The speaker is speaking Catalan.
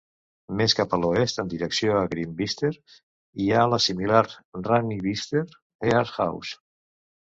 Més cap a l'oest en direcció a Grimbister hi ha la similar Rennibister Earth House.